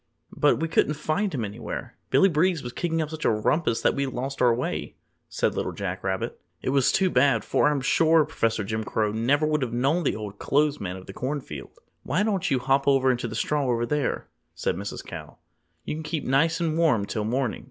"But we couldn't find him anywhere. Billy Breeze was kicking up such a rumpus that we lost our way," said Little Jack Rabbit. "It was too bad, for I'm sure Professor Jim Crow never would have known the Old Clothes Man of the Corn Field!" "Why don't you hop into the straw over there," said Mrs. Cow. "You can keep nice and warm till morning.